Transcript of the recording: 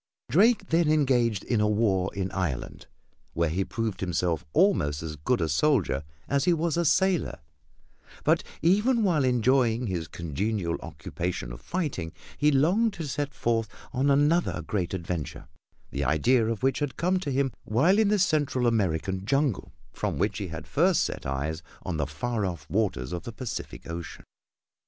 Drake then engaged in a war in Ireland, where he proved himself almost as good a soldier as he was a sailor; but even while enjoying his congenial occupation of fighting he longed to set forth on another great adventure, the idea of which had come to him while in the Central American jungle from which he had first set eyes on the far off waters of the Pacific Ocean.